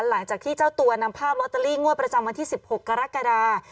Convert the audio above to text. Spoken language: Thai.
หลังจากที่เจ้าตัวนำภาพลอตเตอรี่งวดประจำวันที่๑๖กรกฎา